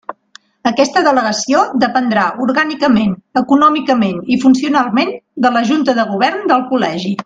Aquesta delegació dependrà orgànicament, econòmicament i funcionalment de la Junta de Govern del Col·legi.